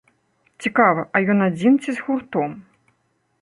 Цікава, а ён адзін, ці з гуртом?